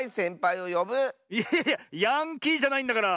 いやいやいやヤンキーじゃないんだから！